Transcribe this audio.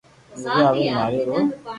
ريو ي آوين ماري نو ر